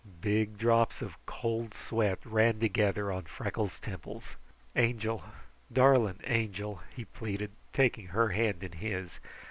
Big drops of cold sweat ran together on Freckles' temples. "Angel, darlin' Angel," he pleaded, taking her hand in his.